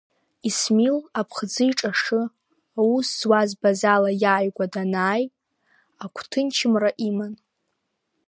Исмил, аԥхӡы иҿашы аус зуаз Базала иааигәа данааи, агәҭынчымра иман.